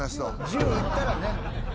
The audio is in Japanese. １０いったらね。